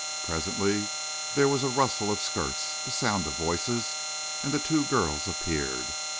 Presently there was a rustle of skirts, the sound of voices, and the two girls appeared.